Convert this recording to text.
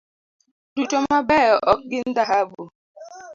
Duto mabeyo ok gin dhahabu.